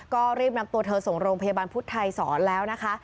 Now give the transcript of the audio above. ก็รีบนำตัวเธอส่งโรงพยาบาลพุทธไทยศรแล้วนะคะ